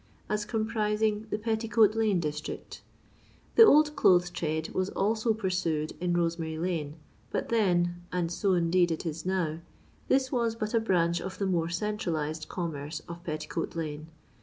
as comprising the Petticoat lane district The old clothes trade was also pursued in Rosemary Une, but then — and so indeed it is now — this was but a branch of the more centralised commerce of Petti coat lane.